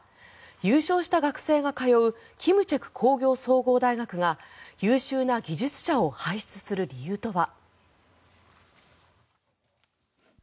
優勝した学生が通う金策工業総合大学が優秀な技術者を輩出する理由とは。